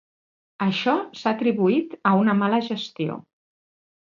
Això s'ha atribuït a una mala gestió.